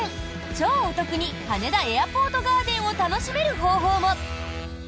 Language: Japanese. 超お得に羽田エアポートガーデンを楽しめる方法も！